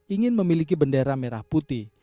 ingin memiliki bendera merah putih